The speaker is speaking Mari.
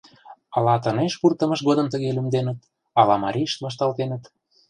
Ала тынеш пуртымышт годым тыге лӱмденыт, ала марийышт вашталтеныт.